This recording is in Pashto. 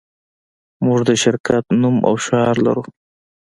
موږ د شرکت نوم او شعار لرو